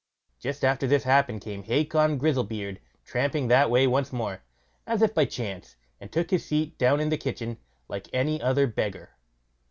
Just after this happened, came Hacon Grizzlebeard tramping that way once more, as if by chance, and took his seat down in the kitchen, like any other beggar.